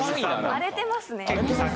荒れてますね。